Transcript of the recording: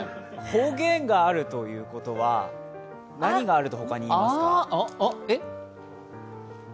方言があるということは何があるって他に言いますか？